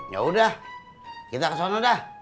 yaudah kita ke sana dah